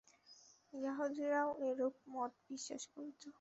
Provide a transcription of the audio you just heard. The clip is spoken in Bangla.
য়াহুদীরাও এরূপ মত বিশ্বাস করিত।